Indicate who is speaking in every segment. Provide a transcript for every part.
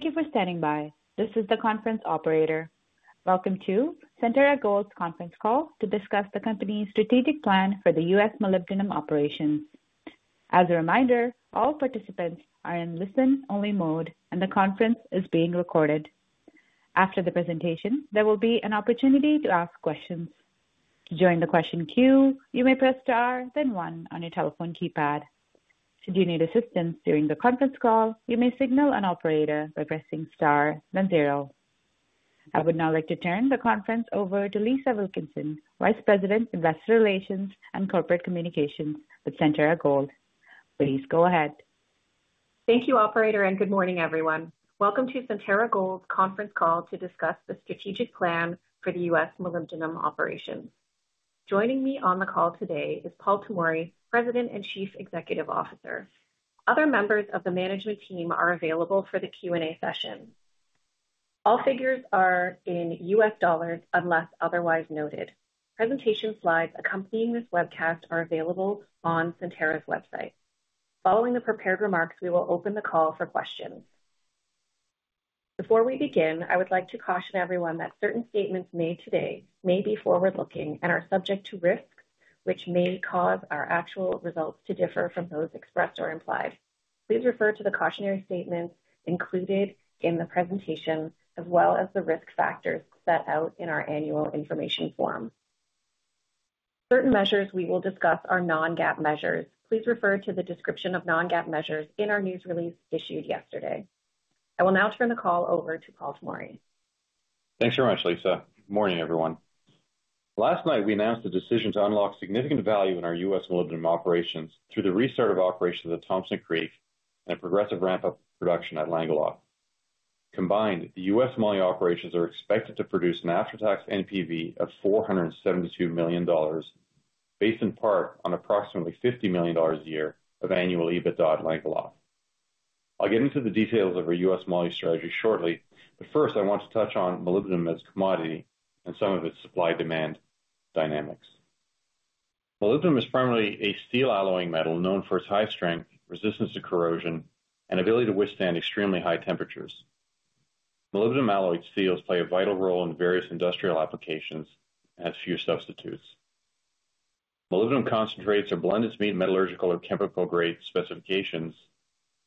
Speaker 1: Thank you for standing by. This is the conference operator. Welcome to Centerra Gold's conference call to discuss the company's strategic plan for the U.S. molybdenum operations. As a reminder, all participants are in listen-only mode, and the conference is being recorded. After the presentation, there will be an opportunity to ask questions. To join the question queue, you may press Star, then one on your telephone keypad. Should you need assistance during the conference call, you may signal an operator by pressing Star, then zero. I would now like to turn the conference over to Lisa Wilkinson, Vice President, Investor Relations and Corporate Communications with Centerra Gold. Please go ahead.
Speaker 2: Thank you, operator, and good morning, everyone. Welcome to Centerra Gold's conference call to discuss the strategic plan for the U.S. molybdenum operations. Joining me on the call today is Paul Tomory, President and Chief Executive Officer. Other members of the management team are available for the Q&A session. All figures are in U.S. dollars, unless otherwise noted. Presentation slides accompanying this webcast are available on Centerra's website. Following the prepared remarks, we will open the call for questions. Before we begin, I would like to caution everyone that certain statements made today may be forward-looking and are subject to risks which may cause our actual results to differ from those expressed or implied. Please refer to the cautionary statements included in the presentation, as well as the risk factors set out in our Annual Information Form. Certain measures we will discuss are non-GAAP measures. Please refer to the description of non-GAAP measures in our news release issued yesterday. I will now turn the call over to Paul Tomory.
Speaker 3: Thanks very much, Lisa. Morning, everyone. Last night, we announced a decision to unlock significant value in our U.S. molybdenum operations through the restart of operations at Thompson Creek and progressive ramp-up production at Langeloth. Combined, the U.S. moly operations are expected to produce an after-tax NPV of $472 million, based in part on approximately $50 million a year of annual EBITDA at Langeloth. I'll get into the details of our U.S. moly strategy shortly, but first, I want to touch on molybdenum as a commodity and some of its supply-demand dynamics. Molybdenum is primarily a steel alloying metal known for its high strength, resistance to corrosion, and ability to withstand extremely high temperatures. Molybdenum alloy steels play a vital role in various industrial applications and has few substitutes. Molybdenum concentrates are blended to meet metallurgical or chemical grade specifications,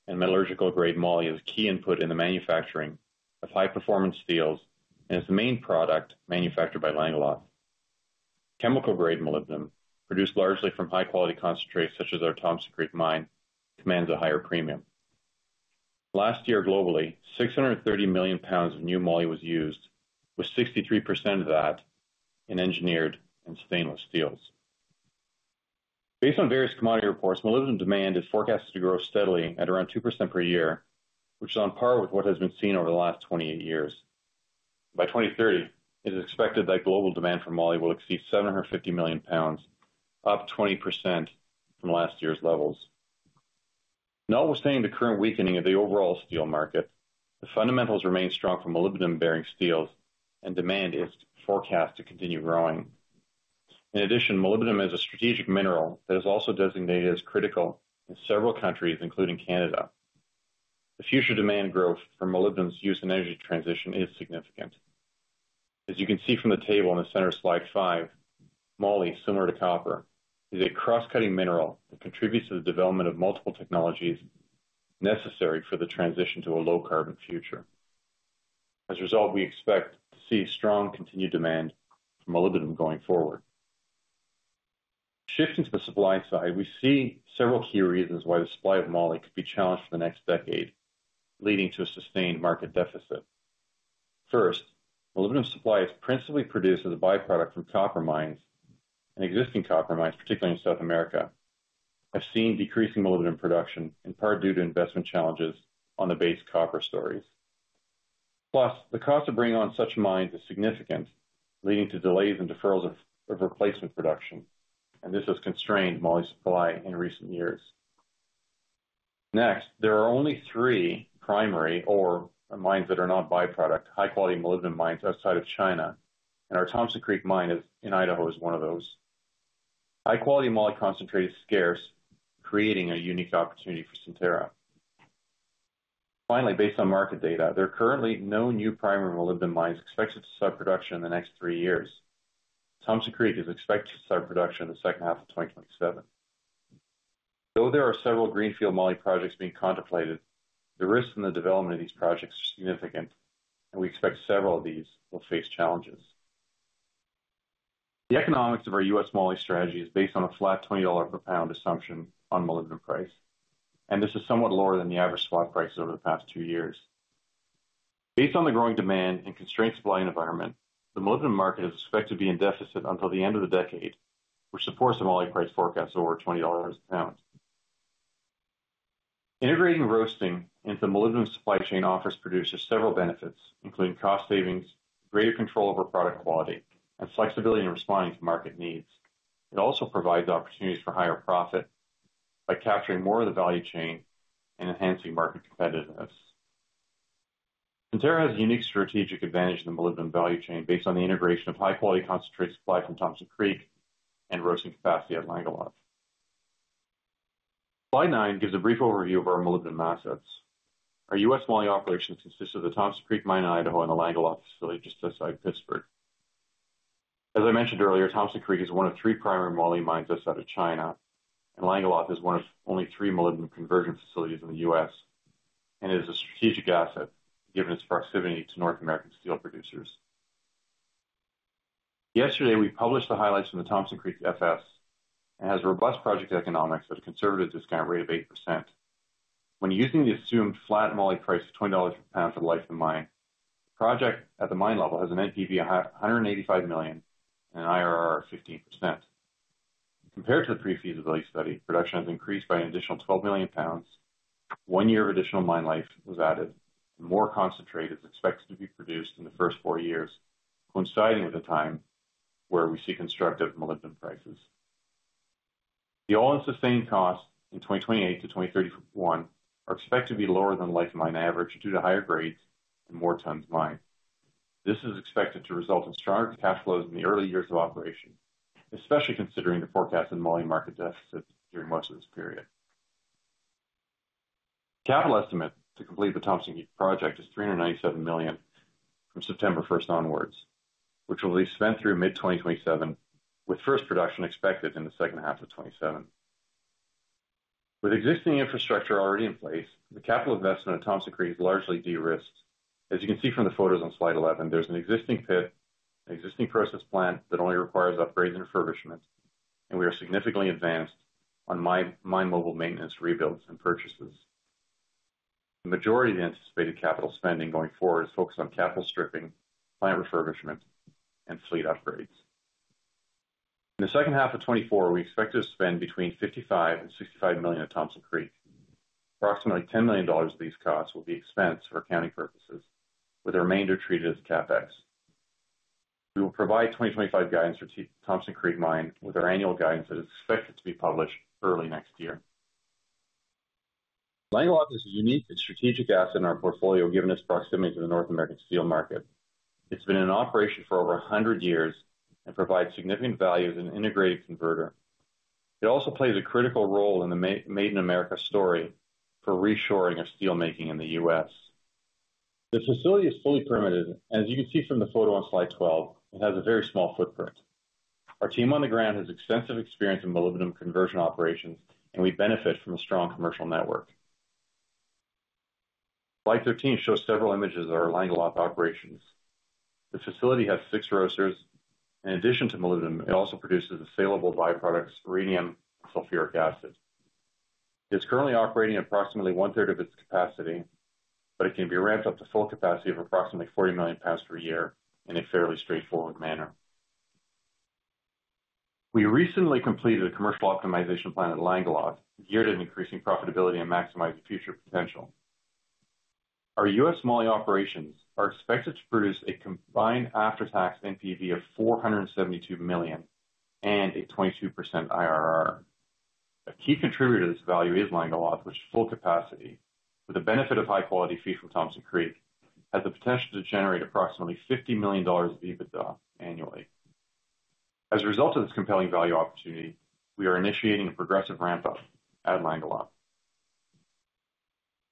Speaker 3: and metallurgical grade moly is a key input in the manufacturing of high-performance steels and is the main product manufactured by Langeloth. Chemical grade molybdenum, produced largely from high-quality concentrates such as our Thompson Creek mine, commands a higher premium. Last year, globally, six hundred and thirty million pounds of new moly was used, with 63% of that in engineered and stainless steels. Based on various commodity reports, molybdenum demand is forecasted to grow steadily at around 2% per year, which is on par with what has been seen over the last twenty-eight years. By 2030, it is expected that global demand for moly will exceed seven hundred and fifty million pounds, up 20% from last year's levels. Notwithstanding the current weakening of the overall steel market, the fundamentals remain strong for molybdenum-bearing steels, and demand is forecast to continue growing. In addition, molybdenum is a strategic mineral that is also designated as critical in several countries, including Canada. The future demand growth for molybdenum's use in energy transition is significant. As you can see from the table in the center of slide five, moly, similar to copper, is a cross-cutting mineral that contributes to the development of multiple technologies necessary for the transition to a low-carbon future. As a result, we expect to see strong continued demand for molybdenum going forward. Shifting to the supply side, we see several key reasons why the supply of moly could be challenged for the next decade, leading to a sustained market deficit. First, molybdenum supply is principally produced as a byproduct from copper mines, and existing copper mines, particularly in South America, have seen decreasing molybdenum production, in part due to investment challenges on the base copper studies. Plus, the cost of bringing on such mines is significant, leading to delays and deferrals of replacement production, and this has constrained moly supply in recent years. Next, there are only three primary ore mines that are not byproduct, high-quality molybdenum mines outside of China, and our Thompson Creek mine in Idaho is one of those. High-quality moly concentrate is scarce, creating a unique opportunity for Centerra. Finally, based on market data, there are currently no new primary molybdenum mines expected to start production in the next three years. Thompson Creek is expected to start production in the second half of twenty twenty-seven. Though there are several greenfield moly projects being contemplated, the risks in the development of these projects are significant, and we expect several of these will face challenges. The economics of our U.S. moly strategy is based on a flat $20 per pound assumption on molybdenum price, and this is somewhat lower than the average spot prices over the past two years. Based on the growing demand and constrained supply environment, the molybdenum market is expected to be in deficit until the end of the decade, which supports the moly price forecast over $20 a pound. Integrating roasting into the molybdenum supply chain offers producers several benefits, including cost savings, greater control over product quality, and flexibility in responding to market needs. It also provides opportunities for higher profit by capturing more of the value chain and enhancing market competitiveness. Centerra has a unique strategic advantage in the molybdenum value chain based on the integration of high-quality concentrate supply from Thompson Creek and roasting capacity at Langeloth. Slide nine gives a brief overview of our molybdenum assets. Our U.S. moly operations consist of the Thompson Creek Mine in Idaho and the Langeloth facility just outside Pittsburgh. As I mentioned earlier, Thompson Creek is one of three primary moly mines outside of China, and Langeloth is one of only three molybdenum conversion facilities in the U.S. and is a strategic asset, given its proximity to North American steel producers. Yesterday, we published the highlights from the Thompson Creek FS, and it has a robust project economics with a conservative discount rate of 8%. When using the assumed flat moly price of $20 per pound for the life of the mine, the project at the mine level has an NPV of $185 million and an IRR of 15%. Compared to the pre-feasibility study, production has increased by an additional 12 million pounds, one year of additional mine life was added, and more concentrate is expected to be produced in the first four years, coinciding with a time where we see constructive molybdenum prices. The all-in sustaining costs in 2028-2031 are expected to be lower than life of mine average, due to higher grades and more tons mined. This is expected to result in stronger cash flows in the early years of operation, especially considering the forecast in moly market deficits during most of this period. Capital estimate to complete the Thompson Creek project is $397 million from September first onwards, which will be spent through mid-2027, with first production expected in the second half of 2027. With existing infrastructure already in place, the capital investment at Thompson Creek is largely de-risked. As you can see from the photos on slide 11, there's an existing pit, an existing process plant that only requires upgrades and refurbishment, and we are significantly advanced on mine mobile maintenance rebuilds and purchases. The majority of the anticipated capital spending going forward is focused on capital stripping, plant refurbishment, and fleet upgrades. In the second half of 2024, we expect to spend between $55 million and $65 million at Thompson Creek. Approximately $10 million of these costs will be expensed for accounting purposes, with the remainder treated as CapEx. We will provide 2025 guidance for Thompson Creek Mine with our annual guidance that is expected to be published early next year. Langeloth is a unique and strategic asset in our portfolio, given its proximity to the North American steel market. It's been in operation for over a hundred years and provides significant value as an integrated converter. It also plays a critical role in the Made in America story for reshoring of steelmaking in the U.S. The facility is fully permitted, and as you can see from the photo on slide 12, it has a very small footprint. Our team on the ground has extensive experience in molybdenum conversion operations, and we benefit from a strong commercial network. Slide 13 shows several images of our Langeloth operations. The facility has six roasters. In addition to molybdenum, it also produces the salable byproducts rhenium and sulfuric acid. It's currently operating at approximately one-third of its capacity, but it can be ramped up to full capacity of approximately 40 million pounds per year in a fairly straightforward manner. We recently completed a commercial optimization plan at Langeloth, geared at increasing profitability and maximize the future potential. Our U.S. moly operations are expected to produce a combined after-tax NPV of $472 million and a 22% IRR. A key contributor to this value is Langeloth, which at full capacity, with the benefit of high quality feed from Thompson Creek, has the potential to generate approximately $50 million of EBITDA annually. As a result of this compelling value opportunity, we are initiating a progressive ramp-up at Langeloth.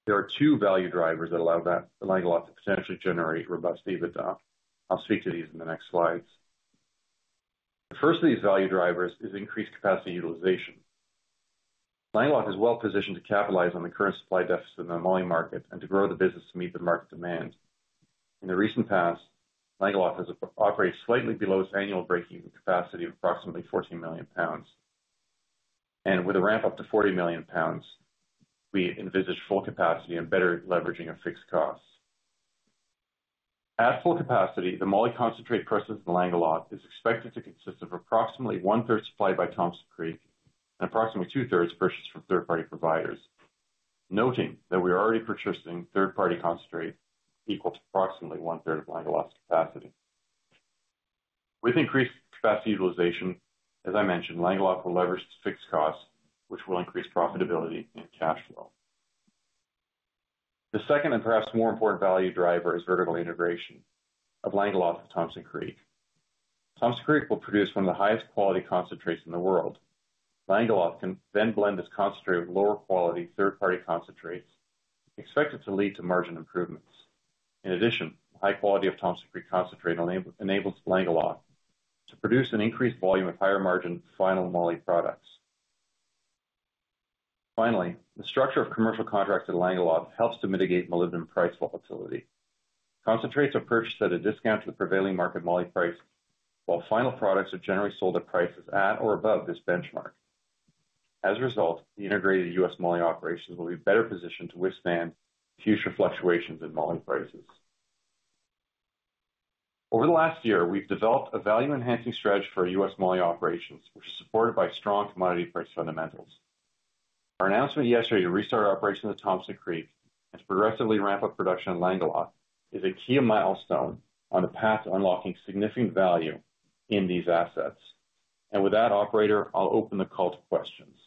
Speaker 3: There are two value drivers that allow that, Langeloth to potentially generate robust EBITDA. I'll speak to these in the next slides. The first of these value drivers is increased capacity utilization. Langeloth is well positioned to capitalize on the current supply deficit in the moly market and to grow the business to meet the market demand. In the recent past, Langeloth has operated slightly below its annual processing capacity of approximately 14 million pounds, and with a ramp-up to 40 million pounds, we envisage full capacity and better leveraging of fixed costs. At full capacity, the moly concentrate processed in Langeloth is expected to consist of approximately one-third supplied by Thompson Creek and approximately two-thirds purchased from third-party providers, noting that we are already purchasing third-party concentrate equal to approximately one-third of Langeloth's capacity. With increased capacity utilization, as I mentioned, Langeloth will leverage its fixed costs, which will increase profitability and cash flow. The second, and perhaps more important value driver, is vertical integration of Langeloth with Thompson Creek. Thompson Creek will produce one of the highest quality concentrates in the world. Langeloth can then blend this concentrate with lower quality third-party concentrates, expected to lead to margin improvements. In addition, the high quality of Thompson Creek concentrate enables Langeloth to produce an increased volume at higher margin final moly products. Finally, the structure of commercial contracts at Langeloth helps to mitigate molybdenum price volatility. Concentrates are purchased at a discount to the prevailing market moly price, while final products are generally sold at prices at or above this benchmark. As a result, the integrated U.S. moly operations will be better positioned to withstand future fluctuations in moly prices. Over the last year, we've developed a value-enhancing strategy for our U.S. moly operations, which is supported by strong commodity price fundamentals. Our announcement yesterday to restart operations at Thompson Creek and progressively ramp up production at Langeloth is a key milestone on the path to unlocking significant value in these assets, and with that, operator, I'll open the call to questions.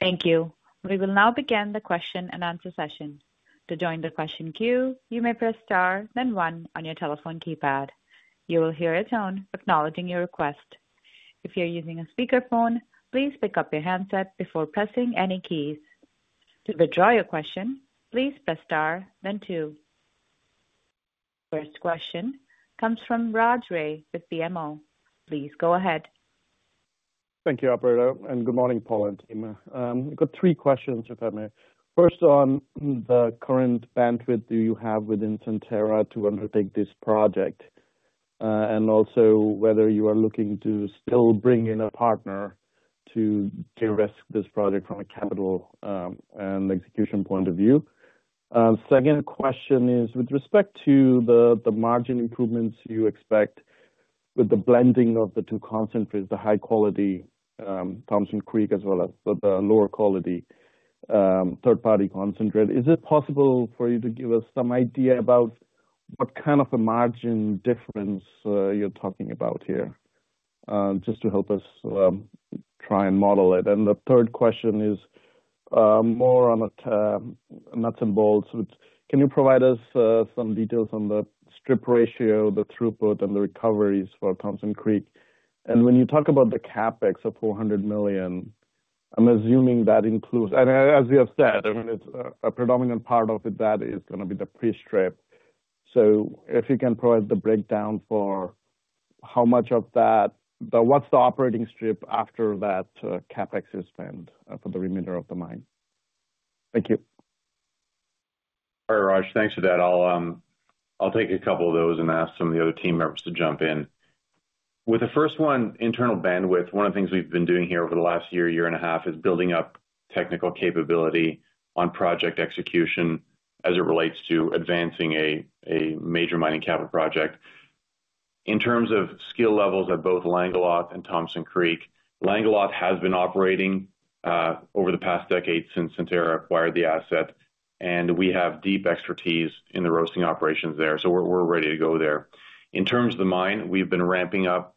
Speaker 1: Thank you. We will now begin the question and answer session. To join the question queue, you may press star, then one on your telephone keypad. You will hear a tone acknowledging your request. If you're using a speakerphone, please pick up your handset before pressing any keys. To withdraw your question, please press star then two. First question comes from Raj Ray with BMO. Please go ahead.
Speaker 4: Thank you, operator, and good morning, Paul and team. I've got three questions, if I may. First, on the current bandwidth, do you have within Centerra to undertake this project? And also whether you are looking to still bring in a partner to de-risk this project from a capital, and execution point of view. Second question is, with respect to the margin improvements you expect with the blending of the two concentrates, the high quality Thompson Creek, as well as the lower quality third-party concentrate, is it possible for you to give us some idea about what kind of a margin difference you're talking about here? Just to help us try and model it. And the third question is, more on a nuts and bolts. Can you provide us some details on the strip ratio, the throughput, and the recoveries for Thompson Creek? And when you talk about the CapEx of $400 million, I'm assuming that includes... And as you have said, I mean, it's a predominant part of it that is gonna be the pre-strip. So if you can provide the breakdown for how much of that. But what's the operating strip after that CapEx is spent for the remainder of the mine? Thank you.
Speaker 3: All right, Raj. Thanks for that. I'll, I'll take a couple of those and ask some of the other team members to jump in. With the first one, internal bandwidth, one of the things we've been doing here over the last year and a half is building up technical capability on project execution as it relates to advancing a major mining capital project. In terms of skill levels at both Langeloth and Thompson Creek, Langeloth has been operating over the past decade since Centerra acquired the asset, and we have deep expertise in the roasting operations there, so we're ready to go there. In terms of the mine, we've been ramping up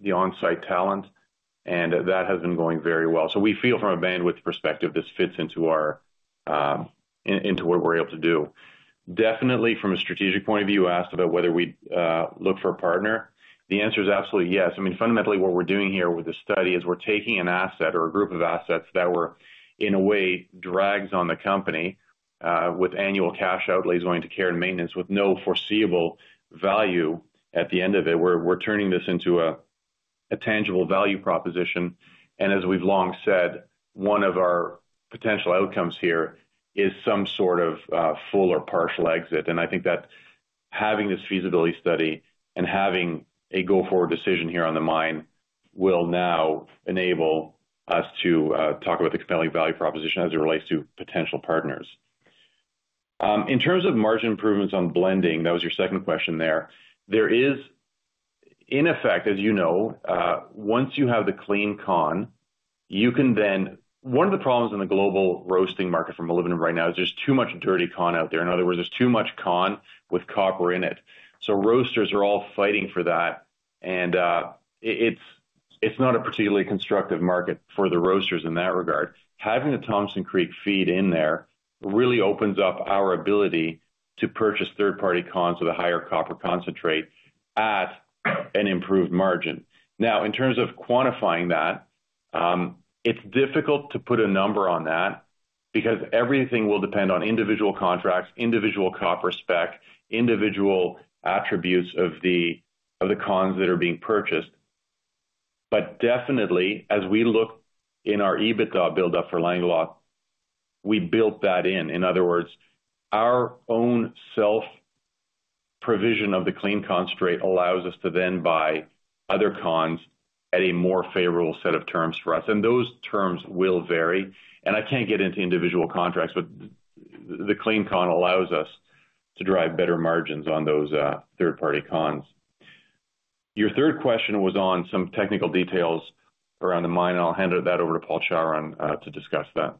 Speaker 3: the on-site talent, and that has been going very well. So we feel from a bandwidth perspective, this fits into what we're able to do. Definitely, from a strategic point of view, you asked about whether we'd look for a partner. The answer is absolutely yes. I mean, fundamentally, what we're doing here with this study is we're taking an asset or a group of assets that were, in a way, drags on the company, with annual cash outlays going to care and maintenance with no foreseeable value at the end of it. We're turning this into a tangible value proposition, and as we've long said, one of our potential outcomes here is some sort of full or partial exit, and I think that having this feasibility study and having a go-forward decision here on the mine will now enable us to talk about the compelling value proposition as it relates to potential partners. In terms of margin improvements on blending, that was your second question there. There is, in effect, as you know, once you have the clean con, you can then. One of the problems in the global roasting market for molybdenum right now is there's too much dirty con out there. In other words, there's too much con with copper in it. So roasters are all fighting for that, and, it's not a particularly constructive market for the roasters in that regard. Having the Thompson Creek feed in there really opens up our ability to purchase third-party cons with a higher copper concentrate at an improved margin. Now, in terms of quantifying that, it's difficult to put a number on that because everything will depend on individual contracts, individual copper spec, individual attributes of the cons that are being purchased. But definitely, as we look in our EBITDA build up for Langeloth, we built that in. In other words, our own self-provision of the clean concentrate allows us to then buy other cons at a more favorable set of terms for us, and those terms will vary. And I can't get into individual contracts, but the clean con allows us to drive better margins on those, third-party cons. Your third question was on some technical details around the mine, and I'll hand that over to Paul Chawrun, to discuss that.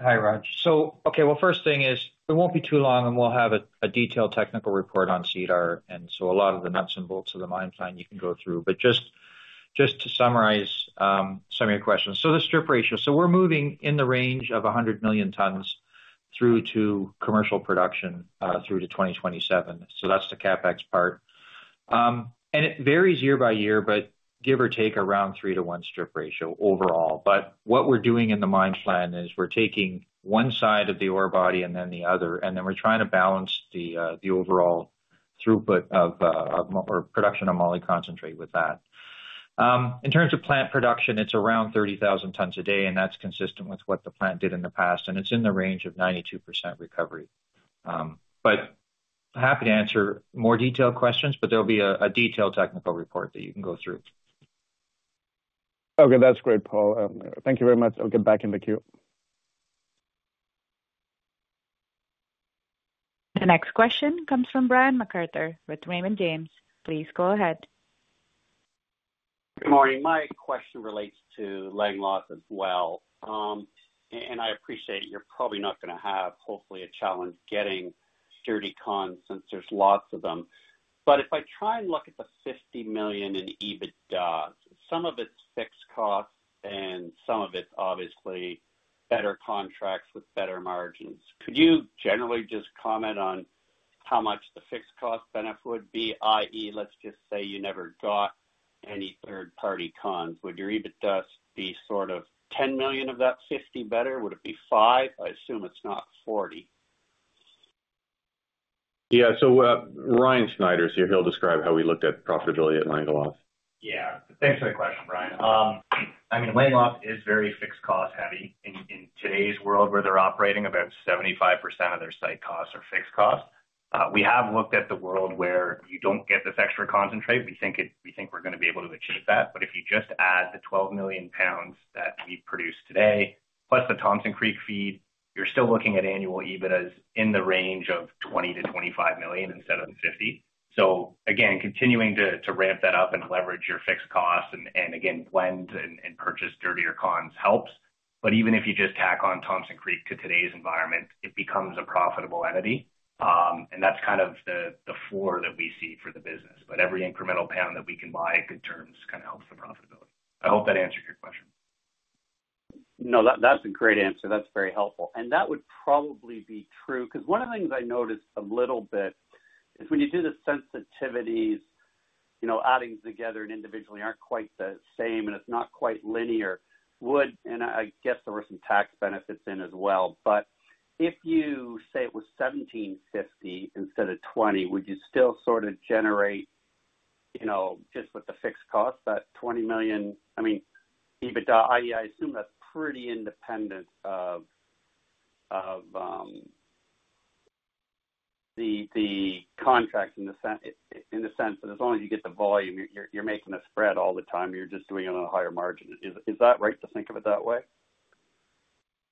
Speaker 5: Hi, Raj. So okay, well, first thing is, it won't be too long, and we'll have a detailed technical report on SEDAR, and so a lot of the nuts and bolts of the mine plan you can go through. But to summarize some of your questions. So the strip ratio. So we're moving in the range of 100 million tons through to commercial production through to 2027. So that's the CapEx part. And it varies year by year, but give or take around three to one strip ratio overall. But what we're doing in the mine plan is we're taking one side of the ore body and then the other, and then we're trying to balance the overall throughput of or production of moly concentrate with that. In terms of plant production, it's around 30,000 tons a day, and that's consistent with what the plant did in the past, and it's in the range of 92% recovery. But happy to answer more detailed questions, but there'll be a detailed technical report that you can go through.
Speaker 4: Okay, that's great, Paul. Thank you very much. I'll get back in the queue.
Speaker 1: The next question comes from Brian MacArthur with Raymond James. Please go ahead.
Speaker 6: Good morning. My question relates to Langeloth as well. I appreciate you're probably not going to have, hopefully, a challenge getting dirty con since there's lots of them. But if I try and look at the $50 million in EBITDA, some of it's fixed costs and some of it's obviously better contracts with better margins. Could you generally just comment on how much the fixed cost benefit would be, i.e., let's just say you never got any third-party cons, would your EBITDA be sort of ten million of that fifty better? Would it be five? I assume it's not forty.
Speaker 3: Yeah. So, Ryan Snyder is here. He'll describe how we looked at profitability at Langeloth.
Speaker 7: Yeah, thanks for the question, Brian. I mean, Langeloth is very fixed cost heavy. In today's world, where they're operating about 75% of their site costs are fixed costs. We have looked at the world where you don't get this extra concentrate. We think we're going to be able to achieve that. But if you just add the 12 million pounds that we produce today, plus the Thompson Creek feed, you're still looking at annual EBITDA in the range of $20 to $25 million instead of $50. So again, continuing to ramp that up and leverage your fixed costs and again, blend and purchase dirtier cons helps. But even if you just tack on Thompson Creek to today's environment, it becomes a profitable entity. And that's kind of the floor that we see for the business. But every incremental pound that we can buy at good terms kind of helps the profitability. I hope that answered your question.
Speaker 6: No, that, that's a great answer. That's very helpful. And that would probably be true, because one of the things I noticed a little bit is when you do the sensitivities, you know, adding together and individually aren't quite the same, and it's not quite linear. And I guess there were some tax benefits in as well. But if you say it was $17.50 instead of $20, would you still sort of generate, you know, just with the fixed cost, that $20 million? I mean, EBITDA, i.e., I assume that's pretty independent of, of, the, the contract in the sense that as long as you get the volume, you're, you're making a spread all the time, you're just doing it on a higher margin. Is, is that right to think of it that way?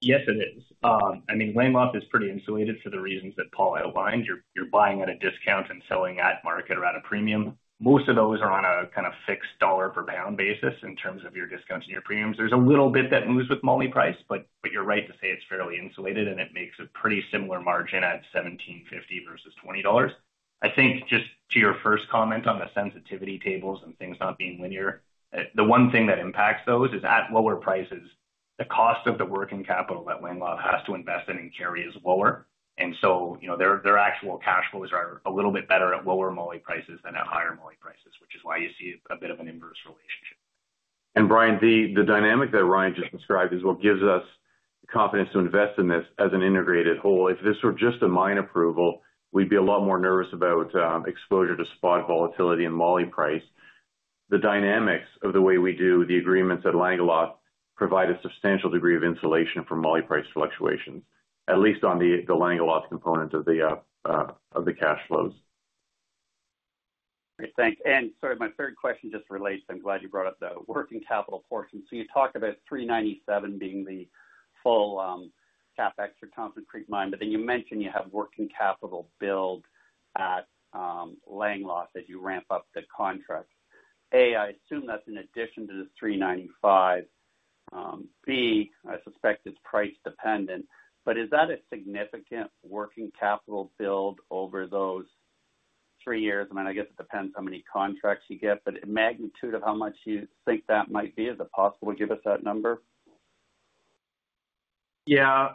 Speaker 7: Yes, it is. I mean, Langeloth is pretty insulated for the reasons that Paul outlined. You're buying at a discount and selling at market or at a premium. Most of those are on a kind of fixed dollar per pound basis in terms of your discounts and your premiums. There's a little bit that moves with moly price, but you're right to say it's fairly insulated, and it makes a pretty similar margin at $17.50 versus $20. I think, just to your first comment on the sensitivity tables and things not being linear, the one thing that impacts those is at lower prices, the cost of the working capital that Langeloth has to invest in and carry is lower. And so, you know, their actual cash flows are a little bit better at lower moly prices than at higher moly prices, which is why you see a bit of an inverse relationship.
Speaker 3: Brian, the dynamic that Ryan just described is what gives us the confidence to invest in this as an integrated whole. If this were just a mine approval, we'd be a lot more nervous about exposure to spot volatility and moly price. The dynamics of the way we do the agreements at Langeloth provide a substantial degree of insulation from moly price fluctuations, at least on the Langeloth component of the cash flows.
Speaker 6: Great, thanks. Sorry, my third question just relates. I'm glad you brought up the working capital portion. So you talked about $397 being the full CapEx for Thompson Creek Mine, but then you mentioned you have working capital build at Langeloth, as you ramp up the contracts. A, I assume that's in addition to the $395. B, I suspect it's price dependent, but is that a significant working capital build over those three years? I mean, I guess it depends how many contracts you get, but a magnitude of how much you think that might be. Is it possible to give us that number?
Speaker 7: Yeah,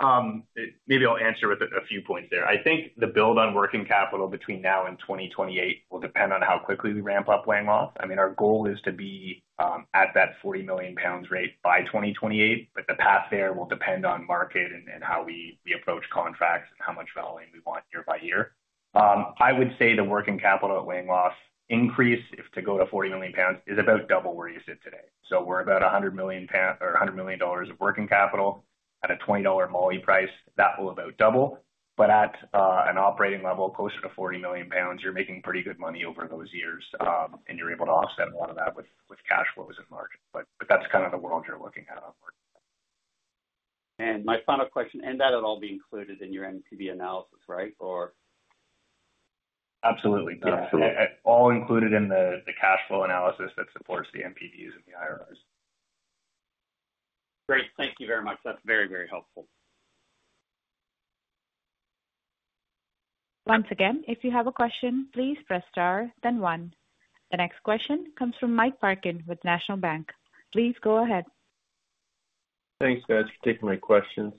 Speaker 7: maybe I'll answer with a few points there. I think the build on working capital between now and twenty twenty-eight will depend on how quickly we ramp up Langeloth. I mean, our goal is to be at that forty million pounds rate by twenty twenty-eight, but the path there will depend on market and how we approach contracts and how much volume we want year by year. I would say the working capital at Langeloth increase, if to go to forty million pounds, is about double where you sit today. So we're about a hundred million pound or a hundred million dollars of working capital at a $20 moly price. That will about double, but at an operating level closer to 40 million pounds, you're making pretty good money over those years, and you're able to offset a lot of that with cash flows and margin. But that's kind of the world you're looking at on board.
Speaker 6: And my final question, and that would all be included in your NPV analysis, right? Or...
Speaker 7: Absolutely.
Speaker 3: Absolutely.
Speaker 7: All included in the cash flow analysis that supports the NPVs and the IRRs.
Speaker 6: Great. Thank you very much. That's very, very helpful.
Speaker 1: Once again, if you have a question, please press Star, then One. The next question comes from Mike Parkin with National Bank. Please go ahead.
Speaker 8: Thanks, guys, for taking my questions.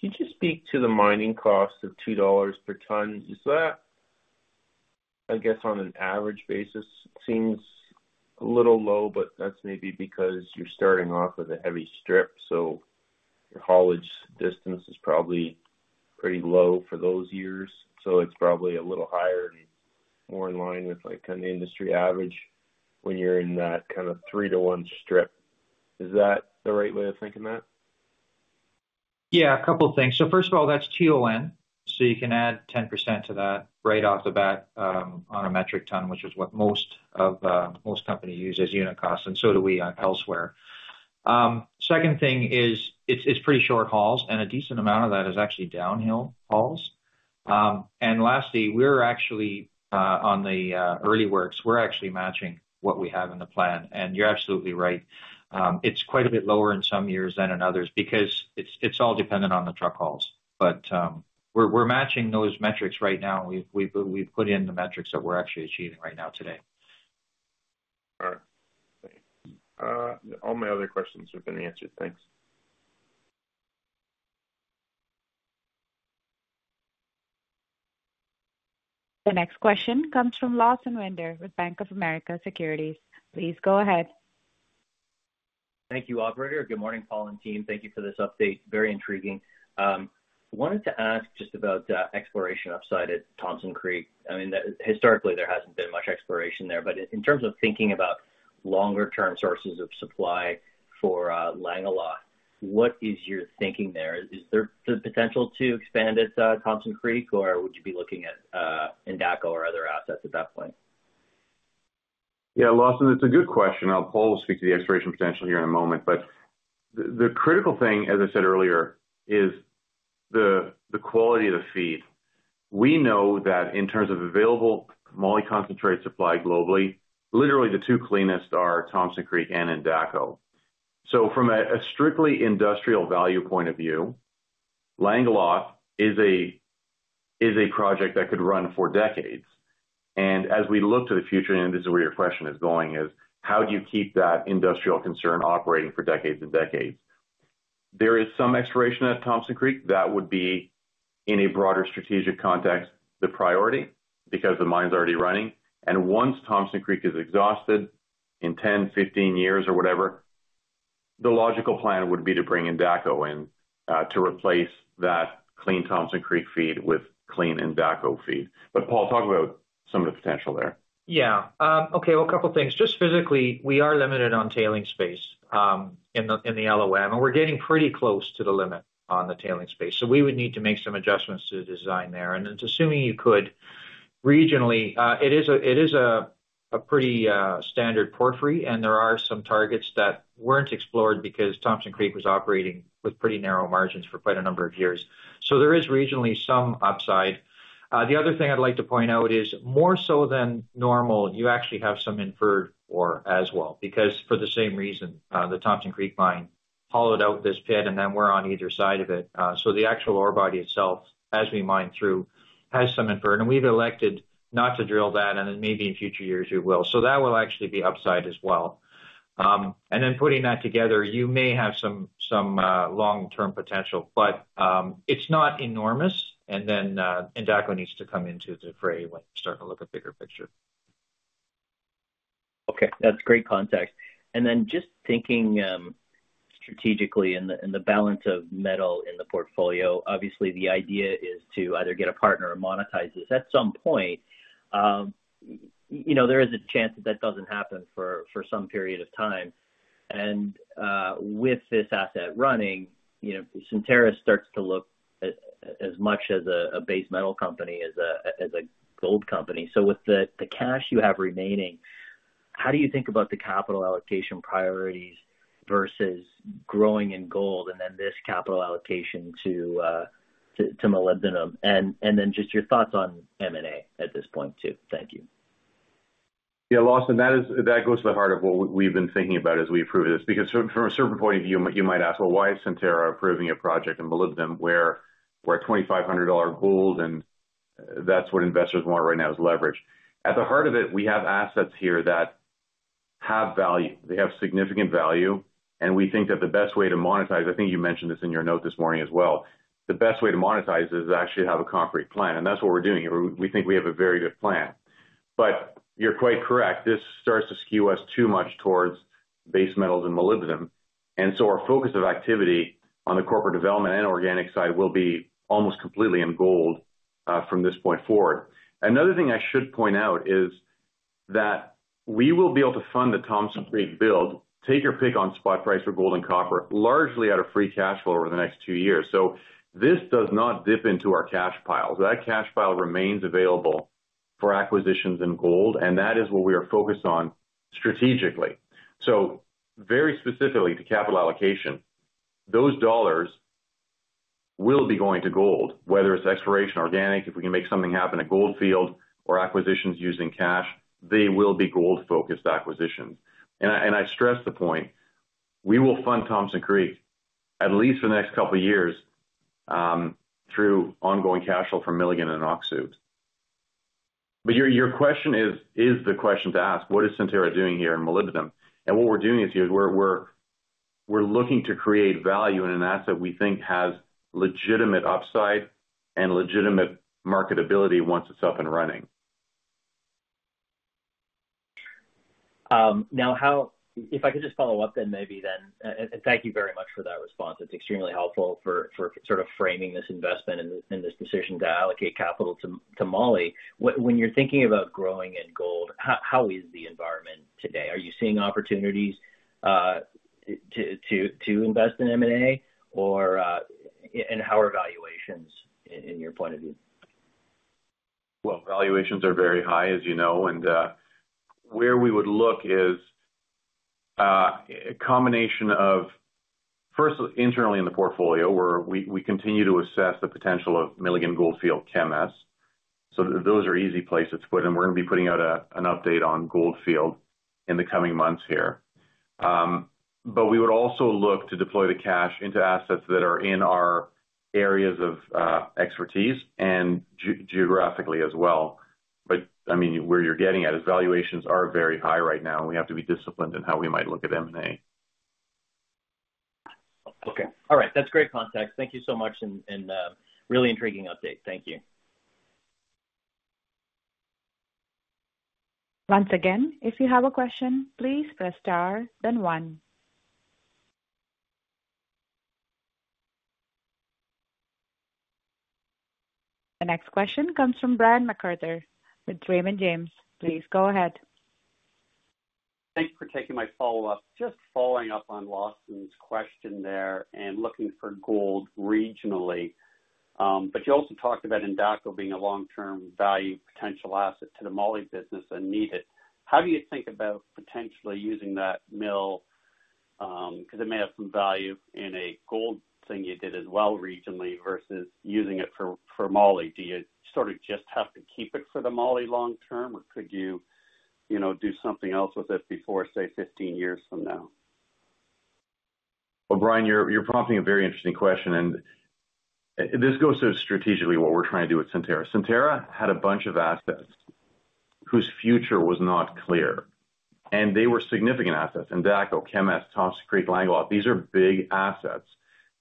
Speaker 8: Could you speak to the mining cost of $2 per ton? Is that, I guess, on an average basis, seems a little low, but that's maybe because you're starting off with a heavy strip, so your haulage distance is probably pretty low for those years, so it's probably a little higher and more in line with like, kind of industry average when you're in that kind of three to one strip. Is that the right way of thinking that?
Speaker 7: Yeah, a couple of things. So first of all, that's ton, so you can add 10% to that right off the bat, on a metric ton, which is what most companies use as unit costs, and so do we elsewhere. Second thing is it's pretty short hauls, and a decent amount of that is actually downhill hauls. and lastly, we're actually on the early works. We're actually matching what we have in the plan, and you're absolutely right. It's quite a bit lower in some years than in others because it's all dependent on the truck hauls, but we're matching those metrics right now. We've put in the metrics that we're actually achieving right now today.
Speaker 8: All right. All my other questions have been answered. Thanks.
Speaker 1: The next question comes from Lawson Winder with Bank of America Securities. Please go ahead.
Speaker 9: Thank you, operator. Good morning, Paul and team. Thank you for this update. Very intriguing. Wanted to ask just about the exploration upside at Thompson Creek. I mean, that historically, there hasn't been much exploration there, but in terms of thinking about longer term sources of supply for Langeloth, what is your thinking there? Is there the potential to expand at Thompson Creek, or would you be looking at Endako or other assets at that point?
Speaker 3: Yeah, Lawson, it's a good question. Paul will speak to the exploration potential here in a moment, but the critical thing, as I said earlier, is the quality of the feed. We know that in terms of available moly concentrate supply globally, literally the two cleanest are Thompson Creek and Endako. So from a strictly industrial value point of view, Langeloth is a project that could run for decades. And as we look to the future, and this is where your question is going, is how do you keep that industrial concern operating for decades and decades? There is some exploration at Thompson Creek that would be, in a broader strategic context, the priority because the mine's already running. Once Thompson Creek is exhausted in 10, 15 years or whatever, the logical plan would be to bring Endako in to replace that clean Thompson Creek feed with clean Endako feed. Paul, talk about some of the potential there.
Speaker 5: Yeah. Okay, well, a couple things. Just physically, we are limited on tailings space in the LOM, and we're getting pretty close to the limit on the tailings space. So we would need to make some adjustments to the design there. And it's assuming you could regionally. It is a pretty standard porphyry, and there are some targets that weren't explored because Thompson Creek was operating with pretty narrow margins for quite a number of years. So there is regionally some upside. The other thing I'd like to point out is, more so than normal, you actually have some inferred ore as well, because for the same reason, the Thompson Creek mine hollowed out this pit, and then we're on either side of it. So the actual ore body itself, as we mine through, has some inferred, and we've elected not to drill that, and then maybe in future years, we will. So that will actually be upside as well. And then putting that together, you may have some long-term potential, but it's not enormous. And then Endako needs to come into the fray when you're starting to look at bigger picture.
Speaker 9: Okay, that's great context. And then just thinking strategically in the balance of metal in the portfolio, obviously the idea is to either get a partner or monetize this at some point. You know, there is a chance that that doesn't happen for some period of time. And with this asset running, you know, Centerra starts to look as much as a base metal company as a gold company. So with the cash you have remaining, how do you think about the capital allocation priorities versus growing in gold and then this capital allocation to molybdenum? And then just your thoughts on M&A at this point, too. Thank you.
Speaker 3: Yeah, Lawson, that is, that goes to the heart of what we've been thinking about as we approve this, because from a certain point of view, you might ask, "Well, why is Centerra approving a project in molybdenum, where we're at $2,500 gold, and that's what investors want right now, is leverage?" At the heart of it, we have assets here that have value. They have significant value, and we think that the best way to monetize, I think you mentioned this in your note this morning as well, the best way to monetize is to actually have a concrete plan, and that's what we're doing. We think we have a very good plan. But you're quite correct, this starts to skew us too much towards base metals and molybdenum. And so our focus of activity on the corporate development and organic side will be almost completely in gold from this point forward. Another thing I should point out is that we will be able to fund the Thompson Creek build, take your pick on spot price for gold and copper, largely out of free cash flow over the next two years. So this does not dip into our cash pile. That cash pile remains available for acquisitions in gold, and that is what we are focused on strategically. So very specifically to capital allocation, those dollars will be going to gold, whether it's exploration, organic, if we can make something happen at Goldfield or acquisitions using cash, they will be gold-focused acquisitions. I stress the point, we will fund Thompson Creek, at least for the next couple of years, through ongoing cash flow from Milligan and Öksüt. But your question is the question to ask: What is Centerra doing here in molybdenum? What we're doing is here, we're looking to create value in an asset we think has legitimate upside and legitimate marketability once it's up and running.
Speaker 9: Now, if I could just follow up then, and thank you very much for that response. It's extremely helpful for sort of framing this investment and this decision to allocate capital to moly. When you're thinking about growing in gold, how is the environment today? Are you seeing opportunities to invest in M&A or, and how are valuations in your point of view?
Speaker 3: Valuations are very high, as you know, and where we would look is a combination of, first, internally in the portfolio, where we continue to assess the potential of Milligan, Goldfield, Kemess. So those are easy places to put, and we're gonna be putting out an update on Goldfield in the coming months here. But we would also look to deploy the cash into assets that are in our areas of expertise and geographically as well. But, I mean, where you're getting at, is valuations are very high right now, and we have to be disciplined in how we might look at M&A.
Speaker 9: Okay. All right. That's great context. Thank you so much and really intriguing update. Thank you.
Speaker 1: Once again, if you have a question, please press star, then one. The next question comes from Brian MacArthur with Raymond James. Please go ahead.
Speaker 6: Thanks for taking my follow-up. Just following up on Lawson's question there and looking for gold regionally. But you also talked about Endako being a long-term value potential asset to the moly business and need it. How do you think about potentially using that mill? Because it may have some value in a gold thing you did as well regionally, versus using it for moly. Do you sort of just have to keep it for the moly long term, or could you, you know, do something else with it before, say, 15 years from now?
Speaker 3: Brian, you're prompting a very interesting question, and this goes to strategically what we're trying to do with Centerra. Centerra had a bunch of assets whose future was not clear, and they were significant assets, Endako, Kemess, Thompson Creek, Langeloth. These are big assets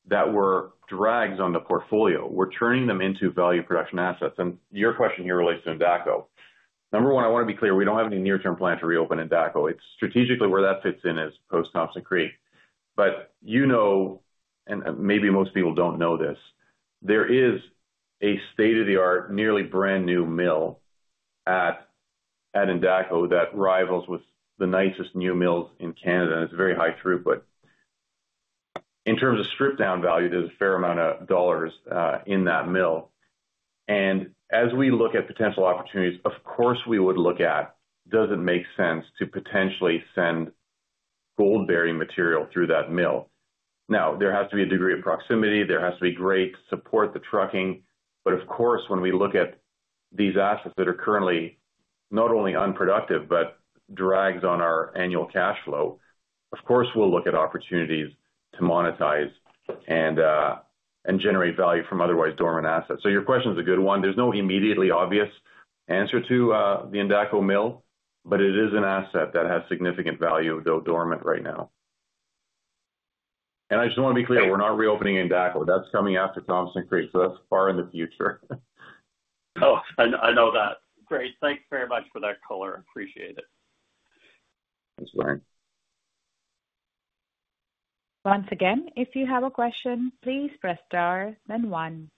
Speaker 3: that were drags on the portfolio. We're turning them into value production assets. And your question here relates to Endako. Number one, I want to be clear, we don't have any near-term plan to reopen Endako. It's strategically where that fits in is post Thompson Creek. But you know, and maybe most people don't know this, there is a state-of-the-art, nearly brand new mill at Endako that rivals with the nicest new mills in Canada, and it's very high throughput. In terms of strip down value, there's a fair amount of dollars in that mill. And as we look at potential opportunities, of course, we would look at, does it make sense to potentially send gold-bearing material through that mill? Now, there has to be a degree of proximity. There has to be great support, the trucking. But of course, when we look at these assets that are currently not only unproductive, but drags on our annual cash flow, of course, we'll look at opportunities to monetize and, and generate value from otherwise dormant assets. So your question is a good one. There's no immediately obvious answer to, the Endako mill, but it is an asset that has significant value, though dormant right now. And I just want to be clear, we're not reopening Endako. That's coming after Thompson Creek, so that's far in the future.
Speaker 6: Oh, I know that. Great. Thanks very much for that color. Appreciate it.
Speaker 3: Thanks, Brian.
Speaker 1: Once again, if you have a question, please press star then one.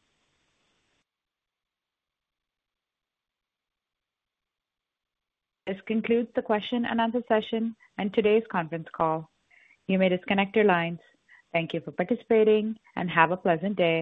Speaker 1: This concludes the question and answer session and today's conference call. You may disconnect your lines. Thank you for participating and have a pleasant day.